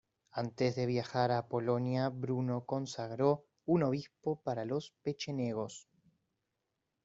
Antes de viajar a Polonia, Bruno consagró un obispo para los pechenegos.